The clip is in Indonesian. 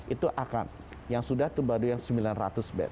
itu akan yang sudah itu baru yang sembilan ratus bed